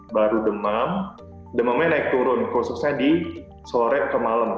baru demam demamnya naik turun khususnya di sore atau malam